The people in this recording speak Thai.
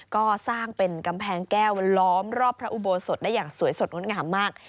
ก็สร้างเป็นกำแพงแก้วล้อมรอบพระอุโบสถได้อย่างสวยสดงดงามมาก